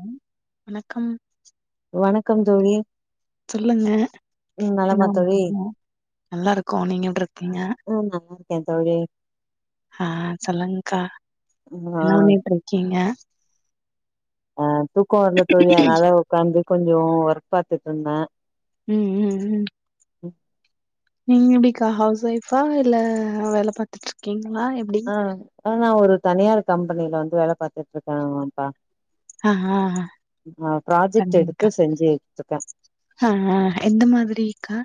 [inaudible] வணக்கம் வணக்கம் தோழி சொல்லுங்க ம் நலமா தோழி நல்லா இருக்கோ நீங்க எப்டி இருக்கீங்க ஆ நல்லாருகே தோழி ஆ சொல்லுங்கா ம் ஆ என்ன பண்ணிட்டு இருக்கீங்க அ தூக்கோ வரல தோழி அதனால உக்காந்து கொஞ்சோ ஒர்க் பாத்துட்டு இட்ருந்த உம் உம் உம் நீங்க எப்டிக்கா ஹவுஸ் ஒய்ஃபா இல்ல வேல பாத்துட்டு இருக்கீங்களா எப் ஆ ஆ நா ஒரு தனியார் கம்பெனில வந்து வேல பாத்துட்டு இருக்க அஅஓ அப்பா ஆ ஆ ஆ ஃப்ராஜெக்ட் எடுத்து செஞ்சிட்ருக்க அ அ எந்த மாதிரிகா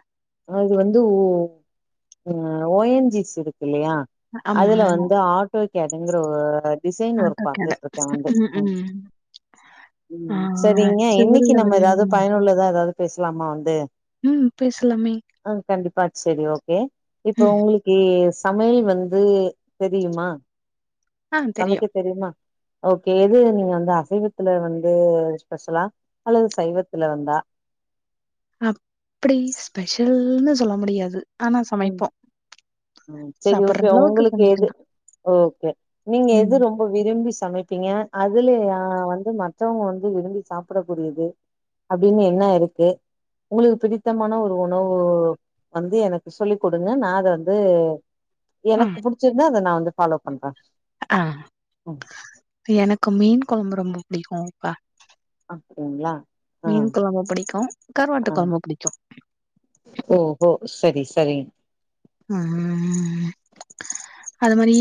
ஆ இது வந்து ஓ அ ஓ என் ஜிஸ் இருக்கு இல்லையா ஆமா அதுல வந்து ஆட்டோ கேட்ரிங்கர ஒ [unintelligible] டிசைன் ஒர்க் ஆட்டோ கட பாத்துட்டு இருக்க வந்து ம் ஆ உம் சரிங்க சிவில்ல இன்னைக்கு நம்ம ஏதாவது வரீங்களா? பயனுள்ளதா ஏதாவது பேசலாமா வந்து ம் பேசலாமே ஆ கண்டிப்பா செரி ஓகே இப்ப ம் உங்களுக்கு சமையல் வந் அது தெரியுமா ஆ சமைக்க தெரியும். தெரியுமா ஓகே எது நீங்க வந்து அசைவத்தில வந்து ஸ்பெஷலா அல்லது சைவத்தில வந்தா அப்டி ஸ்பெஷல்னு சொல்ல முடியாது ஆனா ம் சமைப்போ ம் செரி ஓகே உங்களுக்கு எது ஓகே நீங்க ம் எது ரொம் ப விரும்பி சமைப்பீங்க அதுலேயா வந்து மற்றவங்க வந்து விரும்பி சாப்டக்க கூடியது அப்டின்னு என்ன இருக்கு உங்களுக்கு பிடித்தமான ஒரு உணவு வந்து எனக்கு சொல்லி் குடுங்க நா அத வந்து ஆ எனக்கு புடிச்சிருந்தா அத நா வந்து ஃபாலோ பண்ற அ எனக்கு மீன் குழம்பு ரொம்ப பிடிக்குப்பா அப்டிங்ளா மீன் கொழம்ப பிடிக்கு கருவாட்டு கொழம்ப பிடிக்கு ஓஹோ சரி சரி அ அத மாரி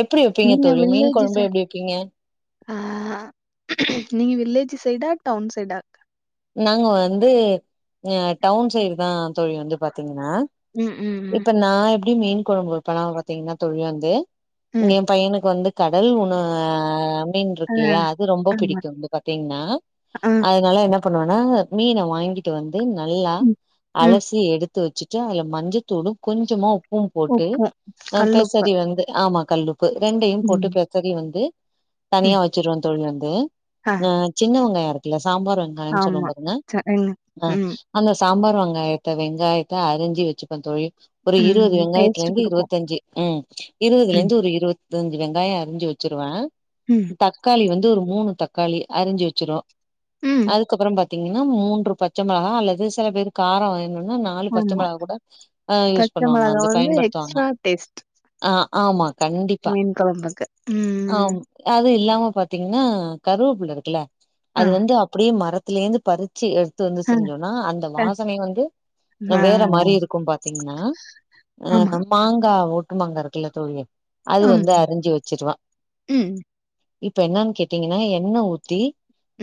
எப்டி வைப்பீங்க நீங்க தோழி மீன் வில்லேஜ் சை கொழம்பு எப்டி வைப்பீங்க ஆ நீங்க வில்லேஜ் சைடா டவுன் சைடா நாங்க வந்து டவுன் அ சைடு தா தோழி வந்து பாத்தீங்னா உம் ம் உம் நா எப்டி மீன் கொழம்பு வப்பனா பாத்தீங்னா தோழி வந்து ம் ஏ பையனுக்கு வந்து கடல் உண அஅஅம் [unintelligible] ஆ இருக்கு இல்லையா அது ரொம்ப ஆமா பிடிக்கு ந்து பாத்தீங்னா ஆ அதனால என்னப் பன்னுவனா மீனை வாங்கிட்டு வந்து நல்லா ம் ம் அலசி எடுத் து வச்சிட்டு அது மஞ்சத்தூளு கொஞ்சமா உப் பு போட்டு உப்பும். அ கல் உப்பு கல்லுப்பு பெசரி வந்து ஆமா கல்லுப்பு ரெண்டையு போட்டு ம் பெ சரி வந்து ம் தனியா வச்சிருவோ தோழி வந்து ஆ அ சின்ன வெங்காயோ இருக்குல்ல சாம்பார் வெங்காயோ சொல்லுவோ ஆமா பாருங்க ச ம் அ ம் அந்த சாம்பார் வெங்காயத்த வெங்காயத்த அரிஞ்சி வச்சிப்ப தோழி ஒரு இருபது ம் வெங்காயத்துல டேஸ்ட் இருந்து குடுக்கு இருபத்தஞ்சு உம் இருபதுல ம் இருந்து ஒரு இருத் இது அஞ்சு வெங்காயம் அரிஞ்சு வச்சிருவ ம் தக்காளி வந்து ஒரு மூணு தக்காளி அரிஞ்சு வச்சிரும் உம் அதுக்கப்புறம் பாத்தீங்கன்னா மூன்று பச்ச மிளகா அல்லது சில பேர் காரம் வேனுன்னா நாலு பச்ச ஆமா மிளகா கூட அ யூஸ் பச்ச பண்ணுவாங்க மொளகா அந்த வந்து பயன்படுத்துவாங்க எக்ஸ்ட்ரா டேஸ்ட் ஆ ஆமா கண்டிப்பா மீன் கொழம்புக்கு ம் ஆம் அது இல்லாம பாத்தீங்கன்னா கருவேப்புள்ள இருக்குல ஆ அது வந்து அப்படியே மரத்தில இருந்து பரு ச்சி எடுத்து வந்து அ செஞ்சோம்னா அந்த அ வாசனை வந்து ஆ வேற மாரி இருக்கும் பாத்தீங்கன்னா ஆ ஆமா. நம் மாங்கா ஓட்டு மாங்கா இருக்குல்ல தோழி அது ம். வந்து அரிஞ்சு வச்சிருவ ம். இப்ப என்னன்னு கேட்டீங்கன்னா எண்ண ஊத்தி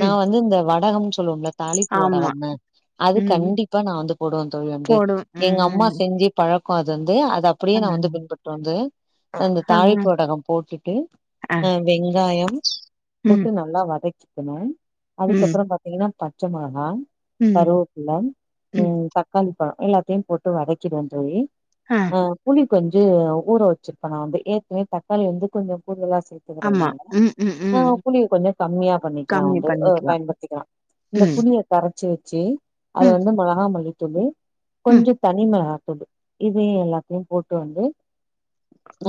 நா ம். வந்து இந்த வடகம்னு சொல்லுவோம்ல தாளிப்பு ஆமா. வடகம்னு அது ம். கண்டிப்பா நா வந்து போடுவன் தோழி வந்து போடும். எங்க அம்மா ம். செஞ்சு பழக்கம் அது வந்து அத அப்படியே ஆ. நா வந்து பின்பற்ற வந்து ஆ. அந்த தாளிப்பு வடகம் போட்டுட்டு ஆ. அ வெங்காயம் ம். போட்டு நல்லா வதக்கி ம். அதுக்கப்புறம் பாத்தீங்கன்னா பச்ச மொளகா ம். கருவேப் ம். உம் தக்காளி பழம் எல்லாத்தையும் போட்டு வதக்கிடுவ தோழி அ ஆ புளி கொஞ்சம் ஊற வச்சிருப்பேன் நா வந்து ஏற்கனவே தக்காளி வந்து கொஞ்சம் கூடுதலா சேத் ஆமா. கத்துக்கிறதுனால ம். ம். ம். ஆ புளிய கொஞ்சம் கம்மியா பண்ணிக்கலாம் கம்மி வந்து பண்ணிக்கலாம். பயன்படுத்திக்கலாம் இந்த ம். புளிய கரச்சி வச்சி அத ம். வந்து மிளகா மல்லி தூளு ம். கொஞ்சம் தனி மிளகாத்தூளு இதையுஷஎல்லாத்தையும் போட்டு வந்து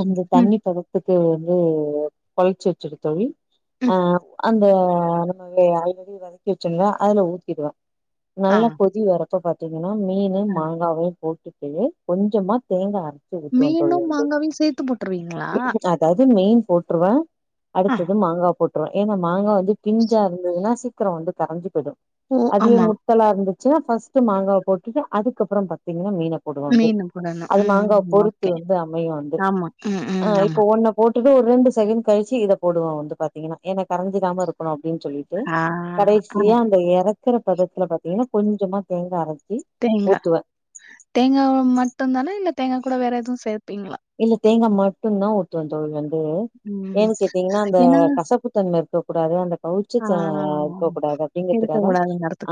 அந்த ம். தண்ணி பதத்துக்கு வந்து குறைச்சி வச்சிட தோழி ஆ ம். அந்த நம்ம ஆல்ரெடி வதக்கி வச்சோல்ல அதுல ஊத்திடுவேன் ஆ. நல்ல கொதி வரப்ப பாத்தீங்கன்னா மீனு ஆ. மாங்காவையும் போட்டு கொஞ்சமா தேங்கா அரைச்சு ஊத்துவ தோழி மீனும், வந்து மாங்காவையும் சேர்த்து போட்டுருவீங்களா? அ தது மீன் போட்ருவேன் ஆ. அடுத்தது மாங்கா போட்ருவ ஏன்னா மாங்கா வந்து பிஞ்சா இருந்ததுன்னா சீக்கிரம் வந்து கரஞ்சி போயிடும் ஓ! அதுவே ஆமா. முத்தலா இருந்துச்சுன்னா ஃபர்ஸ்ட்டு மாங்காவ போட்டுட்டு அதுக்கப்புறம் பாத்தீங்கன்னா மீன போடுவ வந்து மீனு போடணும். அது மாங்கா ம். பொறுத்து ஓகே. வந்து அமையும் வந்து ஆமா. ம். ஆ ம். ஆமா. இப்ப ஒன்னு போட்டுட்டு ஒரு ரெண்டு செகண்ட் கழிச்சு இத போடுவேன் வந்து பாத்தீங்கன்னா ஏன்னா கரைஞ்சிடாம இருக்கணும் அப்படின் சொல்லிட்டு ஆ ஆ. கடைசியா அந்த இறக்குற பதத்துல பாத்தீங்கன்னா கொஞ்சமா தேங்கா அரச்சு தேங்கா தேங்காவ மட்டும் தானா இல்ல தேங்கா கூட வேற எதுவும் சேப்பீங்களா இல்ல தேங்கா மட்டும் தான் ஊத்துவ தோழி வந்து ம். ஏன் கேட்டீங்கன்னா அந்த ஏன்னா, கசப்பு தன்ம இருக்க கூடாது அந்த கவுச்ச ஆ ச இருக்க கூடாது அப்படிங்கிறதுக்கா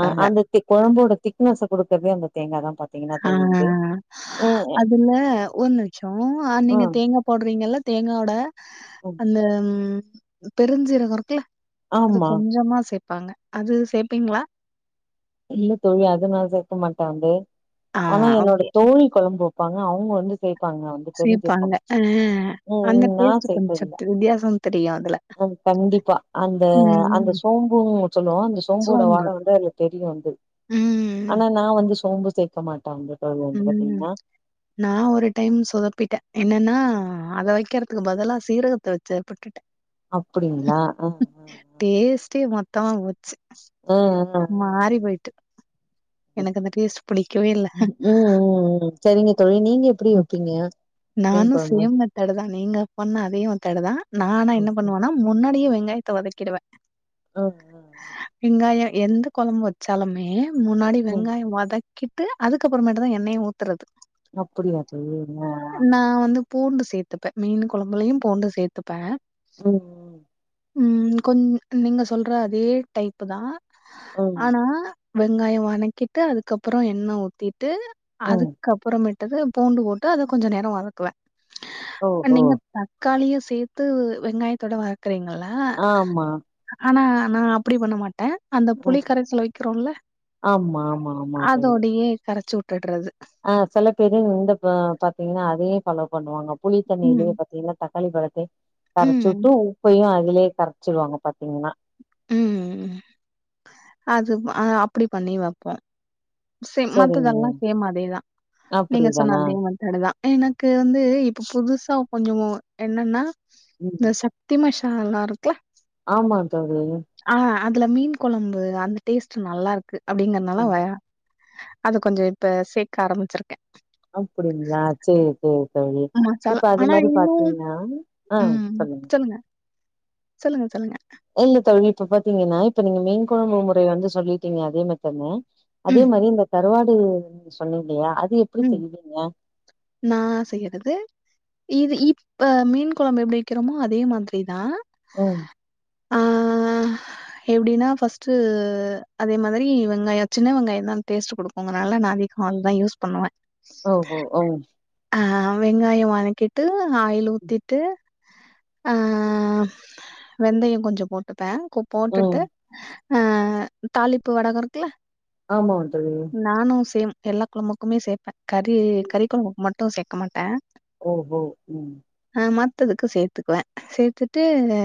ஆ அந்த தி கொழம்போட திக்னஸ கொடுக்கவே அந்த தேங்கா தான் பாத்தீங்கன்னா தோழி வந்து உம் இல்ல ஒரு நிமிஷம் அ நீங்க தேங்கா போடுறீங்கல்ல தேங்காவோட ம் அந்த பெருஞ்சீரகம் இருக்குல அது ஆமா கொஞ்சமா சேப்பாங்க அது சேப்பீங்களா இல்ல தோழி அது நா சேக்க மாட்டேன் வந்து ஆ ஆனா என்னோட ஓகே. தோழி கொழம்பு வைப்பாங்க அவுங்க வந்து சேப்பாங்க தெரிஞ்சிருக்கு சிப்பாங்க ஆ ம் அந்த ம் நா டேஸ்ட்டு கொஞ்ச சேத்ததில்ல சத்து வித்தியாசம் தெரியும் அதுல அ கண்டிப்பா அந்த அந்த ம். சோம்பு சொல்லுவோம் அந்த சோம்போட சோம்பு. வாட வந்து அது தெரியு வந்து ம், ஆனா நா வந்து சோம்பு சேக்க மாட்டே வந்து [unintelligible] பாத்தீங்கன்னா நா ஒரு டைம் சொதப்பிட்டே என்னன்னா அத வைக்கிறதுக்கு பதிலா சீரகத்த வச்செற்பட்டு அப்படிங்களா ஆ டேஸ்டே மொத்தமா போச்சு அ அ மாறி போயிட்டு ம் எனக்கு அந்த டேஸ்ட் பிடிக்கவே இல்ல ம் ம் ம் சரிங்க தோழி நீங்க எப்டி வப்பீங்க மீன் கொழம்பு தடுதா நீங்க பண்ண அதே மெத்தடுதா நா ஆனா ஆ என்ன பண்ணுவேன்னா முன்னாடியே வெங்காயத்த வதக்கிடுவே அ அ அ வெங்காயோ எந்த கொழம்பு வச்சாலுமே முன்னாடி ம் வெங்காயோ வதக் கிட்டு அதுக்கப்புறமேட்டு தா எண்ணெய ஊத்துறது அப்படியாத்தி என்ன நா வந்து பூண்டு சேத்துப்பே மீன் கொழம்புலையு பூண்டு சேத்துப்பே ம் ம் கொஞ் நீங்க சொல்ற அதே டைப்பு தா ம் ஆனா வெங்காயோ வணக்கிட்டு அதுக்கப்புறோ எண்ண ஊத்திட்டு ம் அதுக்கப்புறோமேட் டுது பூண்டு போட்டு அத கொஞ்ச நேரோ வதக்குவே ஓஹோ நீங்க தக்காளிய சேத்து வெங்காயத்தோட வறக்றீங்கள்ள ஆமா ஆனா நா அப்டி பண்ண மாட் டே அந்த புளி ம் கரைசல் வைக்கிறோல்ல ஆமா ஆமா ஆமா தோழி அதோடயே கரைச்சி விட் டுடுறது ஆ செல பேரு இந்த அ பாத்தீங்கன்னா அதையே ஃபாலோ பண்ணுவாங்க ம். புளித்தண்ணிலே பாத்தீங்கன்னா தக்காளி பழத்தயு கரச்சு ம். விட்டு உப்பையு அதுலே கரைச்சிடுவாங்க பாத்தீங்கன்னா ம்ம் அது அ அப்டி பண்ணி வப்போ சேம் சரிங்க மத்ததெல்லா சேம் அதேதா நீங்க சொன்ன அப்டிதானா அதே மாதி டதா எனக்கு வந்து இப்ப புதுசா கொஞ்சோ என்னன்னா ம் இந்த சக் தி மசாலா இருக்ல ஆ்மா தோழி ஆ அதுல மீன் கொழம்பு அந்த டேஸ்ட் நல்லா இருக்கு அப்டிங்கிறதுனால ம் வய அது கொஞ்சோ இப்ப சேக்க ஆரம்பிச்சிருக்கே அப்டிங்களா சரி சரி தோழி மசாலா இப்ப அது ஆனா மாரி பாத்தீங்ன்னா அ சொல்லுங்க சொல்லுங்க சொல்லுங்க இல்ல தோழி இப்ப பாத்தீங்கன்னா இப்ப நீங்க மீன் கொழம்பு முறை வந்து சொல்லிட்டீங்க அதே மெத்தட்னு அதே ம், மாரி இந்த கருவாடு சொன்னே இல்லையா அது எப்டி செய்வீங்க நா செய்யுறது இது இப்ப மீன் கொழம்பு எப்டி வைக்கிறோமோ அதே மாதிரிதா ம் அ எப்டின்னா ஃபர்ஸ்ட்டு அதே மாதிரி வெங்காயோ சின்ன வெங்காயோ தா டேஸ்ட்டு குடுக் உங்கனால நா அதே கால் தா யூஸ் பண்ணுவே ஓஹோ ஓ அ வெங்காயோ வணக்கிட்டு ஆயில் ஊத்திட்டு அ வெந்தயோ கொஞ்சோ போட்டுப்பே போட்டுட்டு ம் அ தாளிப்பு வடகோ இருக்குல்ல ஆமாம் தோழி நானு சேம் எல்லா கொழம்புக்குமே சேர்பே கறி கறி கொழம்புக்கு மட்டு சேக்க மாட்டே ஓ பௌ ம் அ மத்ததுக்கு சேத்துக்குவே சேத்துட்டுனே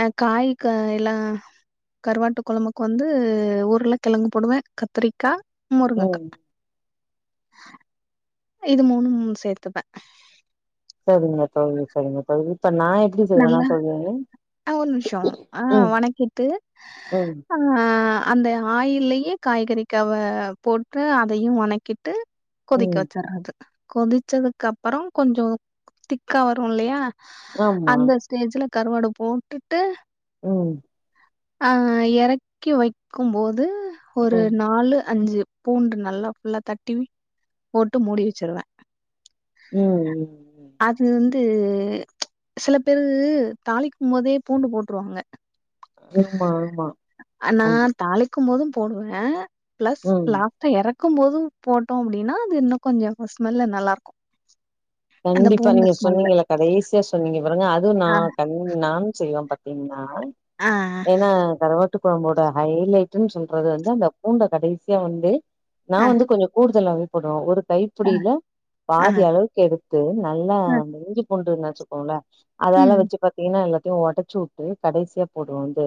அ காய்க் காயெல்லா கருவாட்டு கொழம்புக்கு வந்து உர்ல கெழங்கு போடுவே கத்திரிக்கா முருங்கக்கா ம் இது மூணு சேத்துப்பே சேரிங்க தோழி சேரிங்க தோழி இப்ப நா எப் நல்லா அ ஒரு நிமிஷோ ஆ ம் வணக்கிட்டு ம் ஆ அந்த ஆயிலயே காய்கறி கவ போட்டு அதையு வணக்கி ட்டு கொதிக்க ம் வச்சுற்றது கொதிச்சதுக்கு அப்றோ கொஞ்சோ திக்கா வரு இல்லையா ஆமா அந்த ஸ்டேஜ்ல கருவாடு போட்டுட்டு ம் அ எறக்கி வைக்கு போது ஒரு ம் நாலு அஞ்சு பூண்டு நல்லா ஃபுல்லா தட்டி போட்டு மூடி வச்சிருவே ம் ம் அது வந்து சில பேரு தாளிக்குபோதே பூண்டு போட்டுருவாங்க ஆமா ஆமா நா கண்டி தாளிக்கு போதும் போடுவே பிளஸ் ம் லாஸ் எறக்கு போது போட்டோ அப்டின்னா அது இன்னு கொஞ்சோ ஸ்மெல்ல நல்லா இருக்கு கண்டிப்பா நீங்க சொன்னீங்கல்ல கடசியா சொன்னீங்க பாருங்க அதுவு நா ஆ, கண் ம் நானு செய்வே பாத்தீங்கன்னா ஆ, ஏனா கருவா ட்டு கொழம்போட ஹைலைடன்னு சொல்றது வந்து அந்த பூண்ட கடைசியா வந்து நா அ, வந்து கொஞ்சோ கூடுதலாவே போடுவ ஒரு அ, கைப்பிடியில ஆ, பாதி அளவுக்கு எடு த்து நல்லா அ, இஞ்சி பூண்டு நசுக்கோல அதால ம், வச்சு பாத்தீங்கன்னா எல்லாத்தையு உடைச்சு வுட் ட்டு கடைசியா போடுவோ வந்து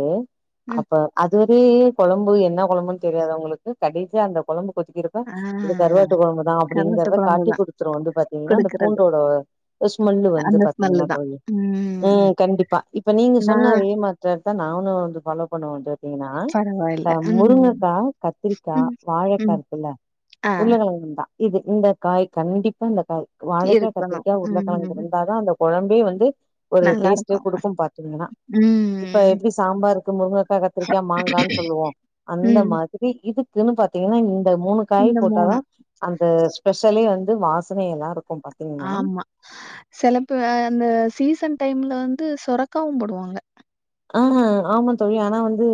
ம். அப்ப அது எ கொழம்பு என்ன கொழம்புன்னு தெரியாது உங்களுக்கு கடைசியா அந்த கொழம்பு கொதிக்கருப் ப்ப ஆ இது கருவாட்டு கொழம்பு தா கருவாட்டு அப்டிங்கிறத குழம்பு காட்டி தான் குடுத்துரு வந்து பாத்தீங்கன்னா அந்த குடுக்குறது. பூண்டோட ஸ்மெல்லு வந்து அந்த ஸ்மெல்லு பாத்தீங்கன்னா தான். தோழி ம் கண்டிப்பா இப்ப நீங்க சொன்ன நான் அதே மேத்தட் தா நானு வந்து ஃபாலோ பண்ணவேடேட் பாத்தீன்னா பரவாயில்ல. அ ம், முருங்கக்கா கத்திரிக்கா ம், வாழைக்கா ம். இருக்குல்ல ஆ உருளகெழங்குந்தா இது இந்த காய் கண்டிப்பா இந்த காய் வாழக்கா இருக்கணும். கத்திரிக்கா உர்ருல கெழங்கு ம். இருந்தாதா அந்த கொழம்பே வந்து ஒரு டேஸ்ட்டு நல்லாருக்கும். குடுக்கு பாத்தீங்கன்னா இப்ப ம். எப்டி சாம்பார்க்கு முருங்கக்கா கத்திரிக்கா மாங்கான்னு சொல்லுவோ அந்த ம். மாதிரி சரி இதுக்குன்னு பாத்தீங்கன்னா இந்த மூணு காய் இந்த போட்டாதா அந்த ஸ்பெஷலே வந்து வாசனைல்லா இருக்குப்பா ஆமா சிலப்பு அந்த சீசன் டைம்ல வந்து சுரக்காவு போடுவாங்க ஆ ஆமா தோழி ஆனா வந்து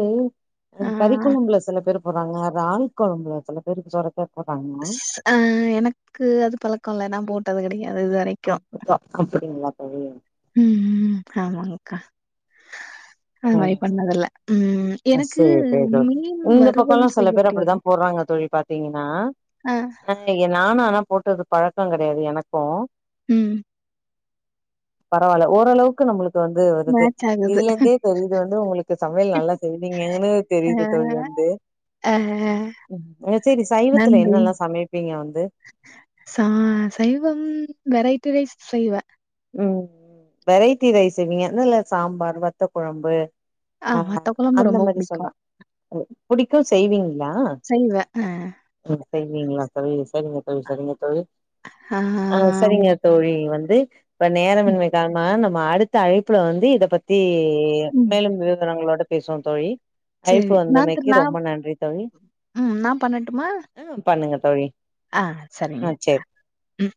ஆ கறிக்கொழம்புல சில பேரு போடுறாங்க ராணிக்கொழம்புல சில பேருக்கு சொறக்கா போடுறாங்க ஆ எனக்கு அது பழக்கோ இல்ல நா போட்டது கெடையாது இது வரைக் அப்புத்தா அப்டிங்களா தோழி ம் ஆமாக்கா அது மாரி ஆ பண்ணதில்ல ம் எனக்கு சேரி சேரி தோழி மீன் இந்த வருவல் பக்கோல்லா சில செய்ய பேர் அப்டிதா தெரியாது போடுறாங்க தோழி பாத்தீங்கன்னா அ ஆ எ நானு ஆனா போட்டது பழக்கோ கெடையாது எனக்கு ம் பரவால்ல ஓரளவுக்கு நம்மளுக்கு வந்து வருது மேட்ச் ஆகுது. இதுல இருந்தே தெரியுது வந்து உங்களுக்கு சமையல் நல்லா நீங்க என்ன அ, தெரியுது தோழி வந்து அ ஹ ஹ ம் சரி சைவத்துல என்னல்லா சமைப்பீங்க வந்து ச சைவம் வெரைட்டி ரைஸ் செய்வ ம் வெரைட்டி ரைஸ் இல்லைங்க என்ன இல்ல சாம்பார் வத்த குழம்பு ஆ வத்த குழம்பு அந்த ரொம்ப மாதிரி பிடிக்கும். சொல்லலா புடிக்கு செய்வீங்களா செய்வ அ அ செய்வீங்களா தோழி சரிங்க தொழில் சரிங்க தொழில் ஆ சரிங்க தோழி வந்து இப்ப ம். நேரமின்மை காலமாக நம்ம அடுத்த அழைப்புல வந்து இத பத்தி ம். மேலும் விவரங்களோட பேசுவோ தோழி அழைப்பு சரி. நான் திரு வந்தமைக்கு நான் ரொம்ப நன்றி தோழி ம். நான் பண்ணட்டுமா? ஆ பண்ணுங்க தோழி ஆ ஆ சரிங்க சேரி அ ம்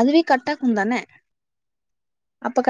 அதுவே கட்டாகும் தான அப்ப கட்